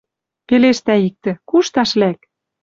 Пелештӓ иктӹ: «Кушташ лӓк!» —